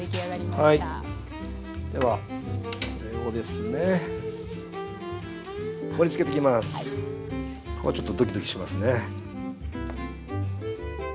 ここはちょっとドキドキしますね。